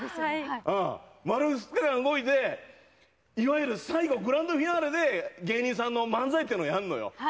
丸２日間動いて、いわゆる最後グランドフィナーレで芸人さんの漫才をやるのよ。